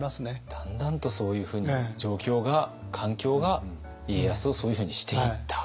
だんだんとそういうふうに状況が環境が家康をそういうふうにしていった。